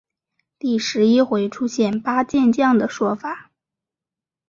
第十一回出现八健将的说法。